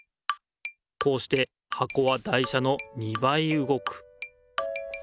こうしてはこは台車の２ばいうごく。